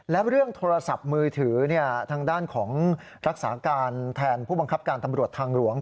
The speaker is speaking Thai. และเรื่องโทรศัพท์มือถือทางด้านของรักษาการแทนผู้บังคับการตำรวจทางหลวง